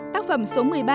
tác phẩm số một mươi ba